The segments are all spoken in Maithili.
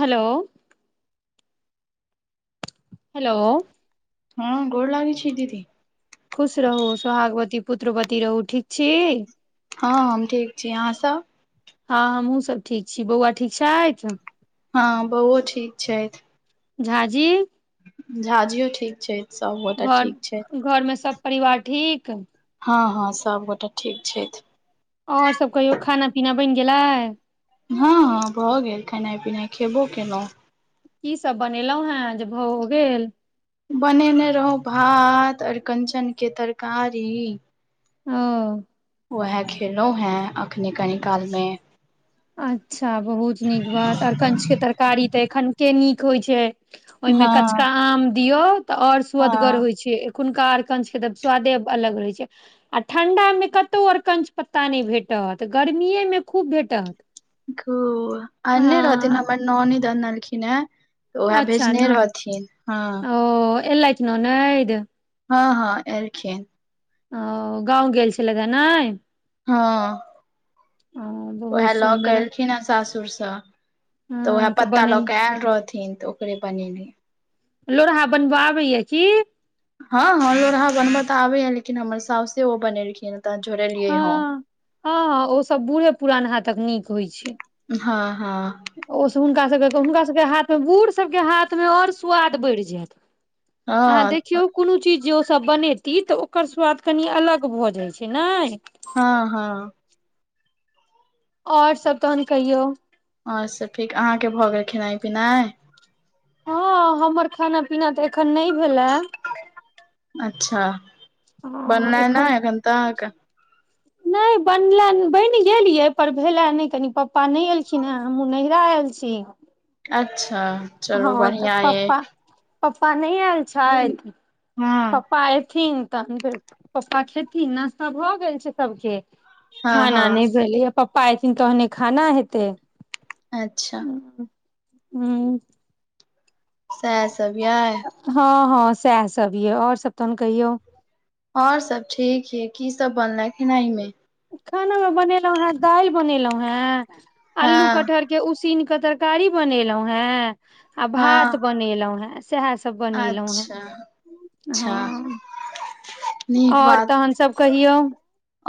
हेलो हेलो हँ गोर लागै छी दीदी खुश रहू सोहागवती पुत्रवती रहू ठीक छी हँ हम ठीक छी अहाँसभ हँ हमहुँसभ ठीक छी बौआ ठीक छथि हँ बहुओ ठीक छैथ झाजी झाजीयो ठीक छै घर घर मे सब परिवार ठीक हँ हँ सबगोटा ठीक छथि आओर सभ कहियो खाना पीना बनि गेलै हँ हँ भऽ गेल खेनाइ पिनाइ खेबो केलौं की सब बनेलहुं हें जे भऽ ओ गेल बनेने रहो भात अड़िकञ्चनके तरकारी ह वैह खेलौं हें अखने कनि काल मे अच्छा बहुत नीक बात आड़िकन्च के तरकारी तऽ एखनके नीक होइ छै ओहिमे हँ कच्चका आम दियौ तऽ आओर सुअदगर हँ होइ छै हुनका अड़िकन्च के स्वादे अलग रहय छै आ ठंडा मे कतौ अड़िकन्च पत्ता नहि भेटल ह तऽ गरमीए मे खूब भेटत आनने रहथिन हँ हमर ननैद अनलखिन यै तऽ उएह अच्छा भेजने रहथिन हँ एलैथ ननैद हँ हँ एलखिन ओ गाँव गेल छलैथ नहि हँ उएह बहुत लऽ कऽ सुन्दर एलखिन हे सासुर सँ तऽ उएह हँ पत्ता बने लऽ कऽ आयल रहथिन तऽ ओकरे बनेलि लोरहा बनबय आबय यै की हँ हँ लोरहा बनबय तऽ आबे यै लेकिन हमर साउसे ओ बनेलखिन ह हँ हँ ओ सब बूढ़े पुरान हाथक नीक होइ छै हँ हँ ओसभ हुनका सभके हुनका सभके हाथमे बूढ़ सभके हाथमे आओर स्वाद बढ़ि जायत अहाँ हँ देखियौ कोनो चीज जे ओ सब बनेती तऽ ओकर स्वाद कनि अलग भऽ जाइ छै ने हँ हँ आओर सब तहन कहियौ ह से ठीक अहाँके भऽ गेल खेनाइ पिनाइ हँ हमर खाना पीना तऽ एखन नहि भेलए अच्छा बनलै ने एखन तक नहि बनला बनि गेल यै पर भेलय नहि कनी पप्पा नहि एलखिन हेँ हमहूँ नहिरा आयल छी अच्छा चलू हँ तऽ बढ़िया यै पप्पा पप्पा न आयल छैथ हँ पप्पा एयथिन तऽ एखन फेर पप्पा खेथिन नश्ता भऽ गेल छै सबके हँ खाना हँ नहि भेलै पप्पा एयथिन तहने खाना हेतै अच्छा हू सैह सब अय हँ हँ सएह सब यै आओर सब तहन कहियौ आओर सब ठीक यै की सब बनले खेनाइ मे खाना मे बनेलहुं हें दालि बनेलहुं हें अल्लू हँ कटहर केँ उसीनक तरकारी बनेलहुंँ हैं आ हँ भात बनेलहुंँ हें सएह सब बनेलहुॅं अच्छा हेँ अच्छा हँ आओर तहनसभ कहियौ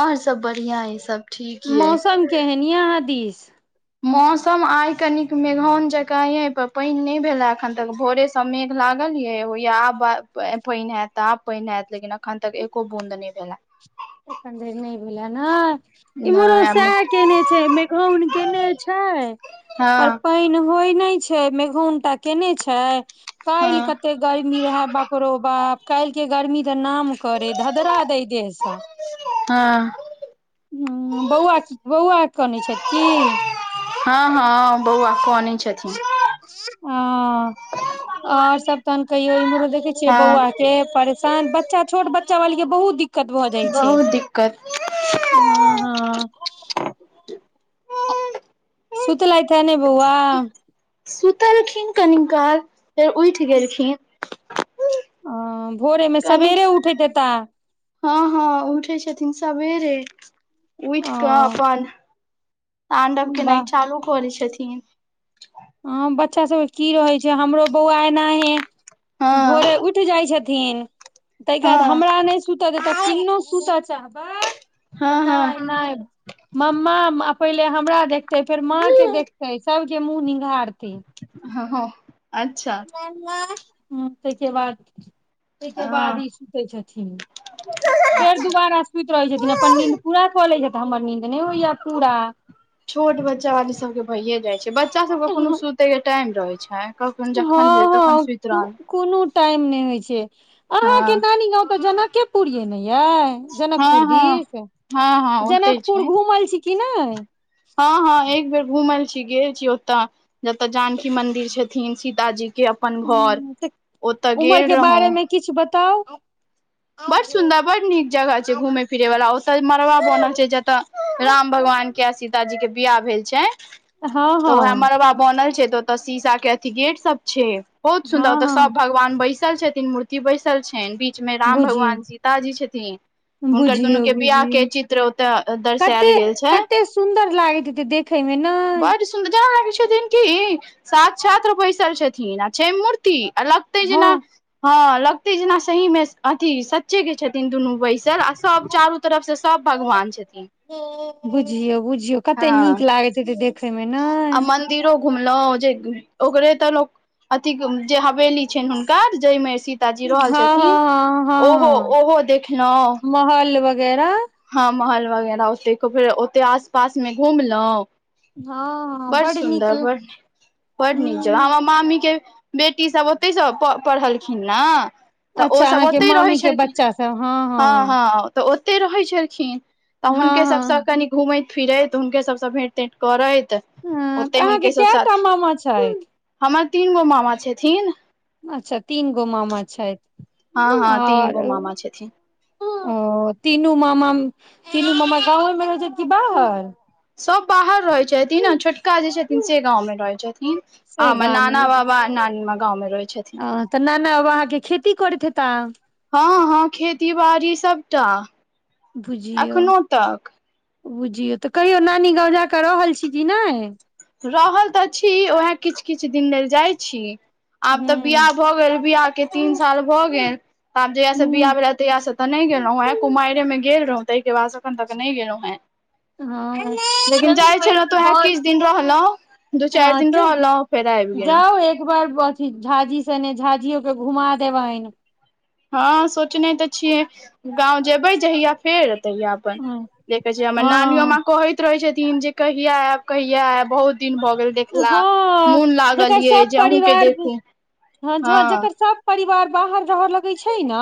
आओर सभ बढ़िआँ अइ सभ ठीक यइ तीीस [unintelligible] मौसम आय कनिक मेघौन जकाँ ये पर पानि नहि भेला अखन तक भोरे सब मेघ लाग लियै या आब पानि हयत आब पान हयत लेकिन अखन तक एको बूंद नहि भेलै एखन धरि नहि भेल ह नहि इमहरो नहि आब नहि। सएह केने छै मेघौन केने छै पर हँ पान होइ नहि छै मेघौनटा केने छै काइल हँ कते गर्मी रहय बाप रो बाप काल्हि केँ गर्मी तऽ नाम करय धधरा देैय देहसँ ह हँ बौआ बौआ कनैय छथि की हँ हँ बौआ कनै छथिन ह और सब तहन कहियो इमहरो देखै छियै हँ बौआ केँ परेशान बच्चा छोट बच्चा वाली केँ बहुत दिक्कत दिक्कत भऽ जाइ छै बहुत दिक्कत हँ हँ सूतलैथ नहि बौआ सुतलखिन कनि काल फेर उठि गेलखिन आ कन्हिक हँ हँ उठै छथिन सबेरे उठ ओ कअ अपन तांडव केनाइ चालू करै छथिन ह बच्चा सबकेँ की रहय छै हमरो बौआ एनाहि हँ भोरे उठि जाइत छै थिन ताहिकेँ बाद हँ हमरा नहि सुतऽ दे तऽ केहनो सुतऽ चाहबइ तऽ हँ नहि नहि मम्मा पहिले हमरा देखते फेर माँ केँ देखते सबके मुँह निंघारतय हँ ह [unintelligible] तै के बाद [unintelligible] तहिकेँ बाद हँ ई सुतैत छथिन फेर दुबारा सुति रहैत छथिन अपन नींद पूरा कऽ लैत छथि हमर नींद नहि होइत पूरा छोट बच्चा वाली सबकेँ भयए जाय छै बच्चा सबकेँ कोनो सुतेकेँ टाइम रहैत छै कखन जखन हँ भेल तखन हँ सुति को रहल कोनो टाइम ने होय छै अहां के हँ नानी गांव त जनकेपुर य ने यै जनकपुर हँ हँ दिस हँ हँ ओते जनकपुर छै घुमल छी कि नहि हँ हँ एक बेर घुमल गेल छी ओतऽ जतऽ जानकी मंदिर छथिन सीताजी केँ अपन घर हूँ तऽ ओतऽ उमर गेल के रहौ बारे मे किछु बताउ बड सुन्दर बड नीक जगह छै घुम फिरै वाला ओतय मड़बा बनल छै जतय राम भगवान किया सीताजीे कें बियाह भेल छै हँ तऽ ओएह हँ मड़बा बनल छै तऽ ओतऽ शीशा के अथी गेट सब छै बहुत सुन्दर हँ ओतऽ सब हँ भगवान बैसल छथिन मूर्ति बैसल छनि बीच मे राम बुझिय भगवान सीताजी छथिन हुनकर बुझियौ दुनूकेँ बियाह केँ बुझियौ चित्र ओतय कते दर्शायल गेल छै कते सुन्दर लागैत हेतै देखय मे नय बढ़ सुन्दर छथिन कि साक्षात् बैसल छथिन आ छै मूर्ति आ लगतै जेना हँ हँ लगतै जेना सही मे अथि सच्चे केँ छथिन दुनू बैसल आ सब चारू तरफ से सब भगवान छथिन बुझियौ बुझियौ कते नीक हँ लागैत हैतय देखेमे ने घुमलों जे ओकरे तऽ लोग अथिक जे हवेली छइ हुनकर जहिमे सीताजी रहल हँ छथिन हँ हँ हँ हँ ओहो देखलहुँ महल वगैरह हँ महल वगैरह ओतेक ओते आस पास मे घुमलउं हँ हँ बड़ बड नीक सुन्दर ल- बड़ नीक जगह आ हूँ हमर मामी के बेटी सब ओतैसँ पढ़लखिन ने तऽ अच्छा ओसभ अहाँके ओतहि रहै मामी के छलखिन बच्चा सब हँ हँ तऽ ओ ते रहै छलखिन तऽ हँ हुनके सबसँ हँ कनि घूमैत फिरैत हुनके सबसँ भेंट तेंट करैत तअ हँ ओते तऽ अहाँके हुनके सब कए टा साथ मामा छथि हमर तीन गो मामा छथिन अच्छा तीन गो मामा छथि हँ हँ तीन आर गो मामा छथिन ओ तीनू मामा तीनू मामा गाँव मे रहै छैथ कि बाहर सब बाहर रहैत छथिन ह छोटका जे छथिन से गाँव मे रहै छथिन आ से हमर नाना बाबा नानी मां गाँवमे रहै छै आ तऽ नाना बाबा अहाँके खेती करैत हेता हँ हँ खेती बाड़ी सबटा बुझियौ अखनो तक बुझियौ तऽ कहियो नानी गाँव जा कऽ रहल छी की नहि रहल तऽ छी उएह किछु किछु दिन लेल जाइत छी आब तऽ हूँ बियाह भऽ गेल बियाह के तीन साल भऽ गेल तऽ आब जहियासँ बियाह हूँ भेल तहियासँ तऽ नहि गेलहुँ हैं कुमाइरे मे गेल रहौं ताहिके बाद अखन तक नहि गेलहुँ हें हँ लेकिन चल जाइ छलहु तऽ वएह किछु दिन रह लौं दू चारि दिन रहलौं फेर आइब गेलौं झाझी से ने झाझियो के घुमा देबनि हँ सोचने तऽ छियै गाँव जेबै जहिया फेर तहिया अपन हँ देखे छ हमर नानियो मां हँ कहैत रहे छथिन जे कहिया आएब कहिया आयब बहुत दिन भऽ गेल देखला हँ मोन लागल जकर यै सब जे अहूँ के परिवार देखू हँ ज हँ जकर सब परिवार बाहर रहय लगे छै ने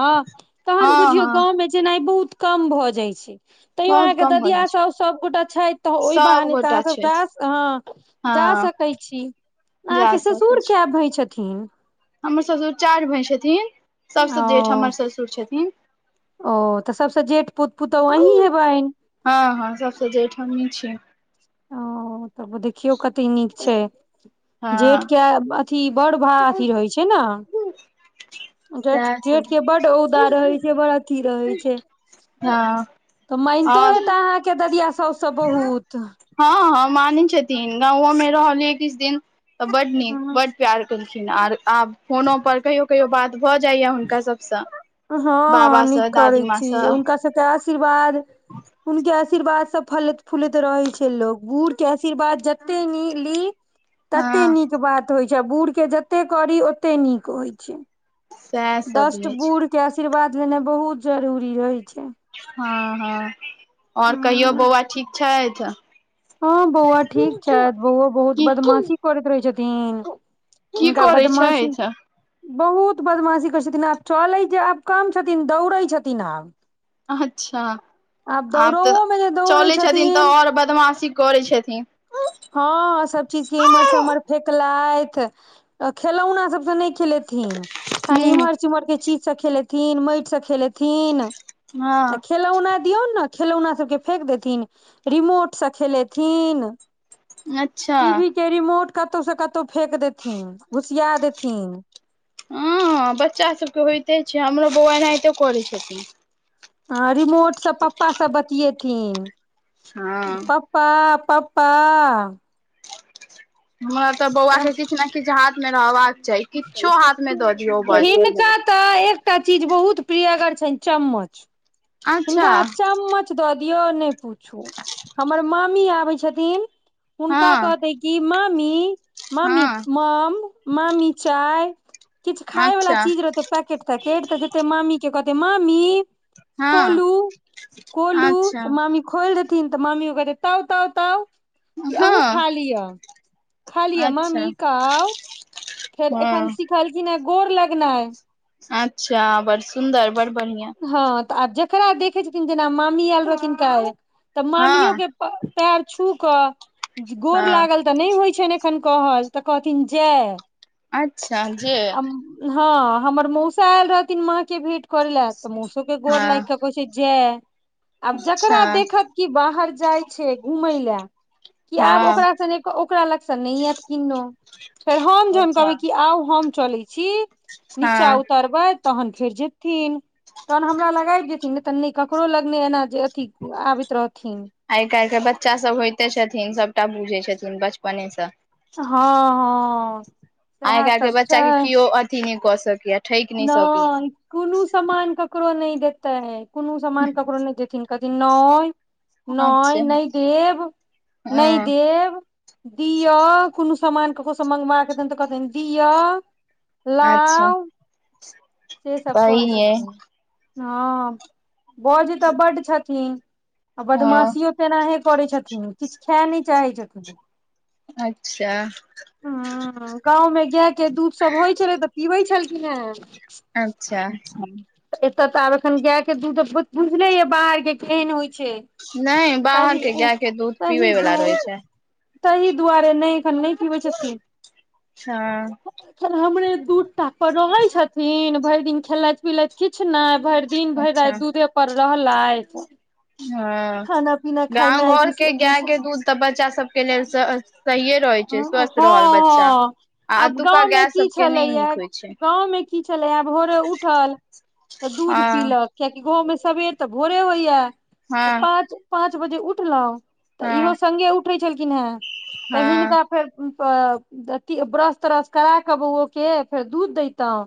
तहन हँ बुझियौ हँ गाँव मे जेनाइ बहुत कम भऽ जाइ छै तैयो बहुत अहाँके कम भऽ ददिया जाइ छै साउस सभगोटा छथि तऽ ओहि बहाने त अहाँ सभगोटा सब छथि ट्रांस हँ जा हँ सकै छी जा अहाँके सकै ससुर छी कए भाय छथिन हमर ससुर चारि भाय छथिन सबसं ओ जेठ हमर ससुर छथिन ओ तऽ सबस जेठ पुत पुतौह अहीं हेबइन हँ हँ सबसे जेठ हमी छीयै ओ तब देखियो कते नीक छै जेठ हँ के अथी बड़ भा अथी होय छै ने हं जे सएह सब जेठके बड औदा रहै छै बड़ अथी रहै छै हँ तऽ मनितो आओर हेता अहाँके ददिया साउस सभ बहुत हँ हँ मानै छथिन गांवो मे रहलियै किछु दिन त बड नीक हँ बड प्यार केलखिन आर आब फोनो पर कहियो कहियो बात भऽ जाइया हुनका सभसँ हँ नीक करैत छी हुनका सभके आशीर्वाद हुंनके आशीर्वाद सब फलैत फुलैत रहै छै लोक बुढ़ के आशीर्वाद जतेक ली ततेक हँ नीक बात होइत छै आ बूढ़के जतेक करी ओतेक नीक होइत छै सएह सब दष्ट अछि बूढ़ के आशीर्वाद लेनाइ बहुत जरूरी रहै छै हँ हँ ओर कहियो हँ बौआ ठीक छथि हँ बौआ ठीक छथि बौआ बहुत की बदमाशी करैत रहै छथिन की हिनका करै बदमासी छथि बहुत बदमाशी करै छथिन आब चलै जे आब काम छथिन दौड़ै छथिन आब अच्छा आब तऽ दौड़ओ मे जे दौड़ै चलैत छथिन तऽ आओर बदमाशी करै छथिन हँ सब चीज के उमहर से उमहर फेकलथि खेलौना सबसँ नहि खेलेथिन खाली इम्हर चुम्हर केँ चीज सब खेलेथिन माटिसँ खेलेथिन आ हँ खेलौना दिऔन ने खेलौना सबकेँ फेेक देथिन रिमोटसँ खेलेथिन अच्छा टीवी के रिमोट कतहु से कतहु फेेक देथिन घुसिया देथिन हँ बच्चा सभकेँ होइते छै हमरो बौआ एनाहितो करै छथिन ह रिमोटसँ पप्पा सब बतियेथिन हँ पप्पा पापा हमरा तऽ बौआ केँ किछु ने किछु हाथ मे रहबाक चाही किछो हाथ मे दऽ दियौ बस हिनका तऽ एक एकटा चीज बहुत प्रियगर छनि चम्मच अच्छा हिनका चम्मच द क्यो नै पूछ, हमर मामी आबे छथिन, हुनका हँ कहतियनि कि मामी मामी हँ माम मामी चाय किछु खाय वाला अच्छा चीज रहते पैकेट तैकेट तऽ कहते मामी के कहते मामी हँ कोलू कोलू अच्छा तऽ मामी खोलि देथिन तऽ मामी ओ कहते ताव ताव ताव कि अहूँ हँ खा लिअ खालिय अच्छा मम्मी काउ फेर अखन हँ सिखलखिन है गोर लगनाइ अच्छा बड़ सुन्दर बड़ बढ़िआँ आ जेकरा देखे छथिन जेना मामी आयल रहथिन कालि त तऽ मामियो हँ केँ पैर छू क गोर हँ लागल तऽ नहि होइत छनि एखन कहल तऽ कहथिन जय अच्छा जे हँ हमर मौसा आयल रहथिन माँ केँ भेंट करे ला तऽ मोसो के गोर हँ लागि क कहैत छै जय आब अच्छा जकरा देखत कि बाहर जाइ छै घुमय लए कि आब हँ ओकरा संगे ओकरा लगसँ नहि आयत किन्नहुँ फेर हम जहन अच्छा कहबै कि आउ हम चलै छी नीचा हँ उतरबै तहन फेर जेथिन तहन हमरा लग जेथिन तऽ नहि ककरो लगनै एना जे अथी आबैत रहथिन आइ काल्हि के बच्चा सभ होइते छथिन सभटा बुझै छथिन बचपनेसँ हँ हँ आइ सएह काल्हि केँ सब बच्चा छै केँ केओ अथि नहि कऽ सकया नहि कोनो समान ककरो नहि देतै कोनो समान ककरो नहि दे कहथिन नय नय अच्छा नै देव नै हँ देव दिअ कोनो समान ककरोसँ मंगबाक देब तऽ कहथिन दिअ अच्छा लाउ से सब कहै सहिये छथिन हँ बौज तऽ बड्ड छथिन आ हँ बदमाशियो तेनाहे करैत छथिन किछु खा नहि चाहैत छथिन अच्छा ह गाव मे गाय के दुध सब होइ छलै तऽ पीबै छल [unintelligible] अच्छा एतय तऽ आब अखन गाय केँ दूध बुझले या बाहर कें केहन होइ स नहि बाहर के गाय के दूध सहि पीबै दू वाला रहै [unintelligible] छै तहि दुआरे नहि एखन नहि पिबैत छथीन छा [unintelligible] हमरे दू टा पर रहय छथिन भरि दिन खेलैत पिलैत किछ नहि भरि दिन भरि अच्छा राति दूधे पर रहलथि हँ खाना पीना गाँव खेनाइ घर केँ बिसरि गेल गाय छै केँ दूध तऽ बच्चा सबकेँ लेल सही इए रहैत छै हँ स्वस्थ रहल बच्चा हँ आ आब अतुका गाँवमे गाय की सबकेँ नहि नीक छलैया होइत छैक गाँव मे की भोरे उठल तऽ दूध हँ पीलक कियकि गाँव में सबेर तऽ भोरे होइया तऽ हँ पाँच पाँच बजे उठलहु तऽ इहो हँ सङ्गे उठै छलखिन हेँ त हँ हिनका फेर अथ ब्रश त्रश करा केँ बौओ केँ फेर दूध देैतहु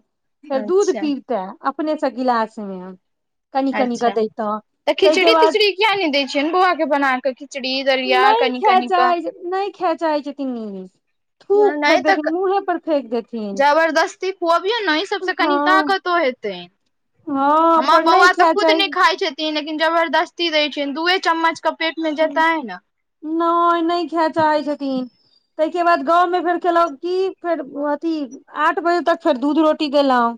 फेर दूध अच्छा पीबते अपनेसँ गिलासमे कनि कनि कऽ अच्छा दैतौ तऽ खिचड़ी तिचड़ी किया नहि दैत छियैन बौआ केँ बना कऽ खिचड़ी दरिया कनि कनि कऽ खेचाइ छै त [unintelligible] नहि तऽ देथिन जबरदस्ती खुअबिऔ न इ सबसँ कनि हँ ताकतो हेतैय हँ हमर पर नहि बौआ तऽ खाय खुद चाहै नहि खाइ छै लेकिन जबरदस्ती दै छै दूए चम्मच केँ पेट मे जेताय नहि नहि खए चाहै छथिन तहिकेँ बाद गाँवमे फेर केलहुँ की फेर अथी आठ बजे तक फेर दूध रोटी देलहुँ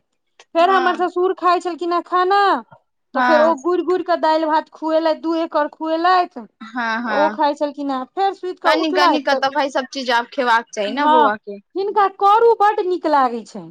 फेर हँ हमर ससुर खाय छलखिन हे खाना तऽ हँ फेर ओ गुरि गुरि क दालि भात खुएलत दूए कौर खुएलथि तऽ हँ ओ हँ खाइ छलखिन हे फेर सुति कऽ कनि कनि उठलथि क तऽ भाय सब चीज आब खेबाक चाही ने हँ बौआ के हिनका करू बड नीक लागैत छनि